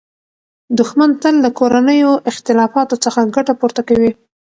دښمن تل له کورنیو اختلافاتو څخه ګټه پورته کوي.